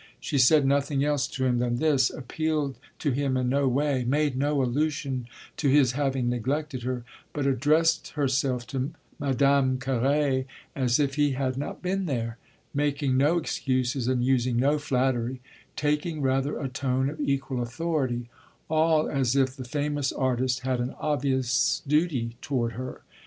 She said nothing else to him than this, appealed to him in no way, made no allusion to his having neglected her, but addressed herself to Madame Carré as if he had not been there; making no excuses and using no flattery; taking rather a tone of equal authority all as if the famous artist had an obvious duty toward her.